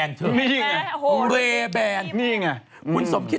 จากธนาคารกรุงเทพฯ